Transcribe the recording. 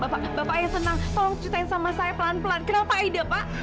bapak bapak ayah tenang tolong cutain sama saya pelan pelan kenapa aida pak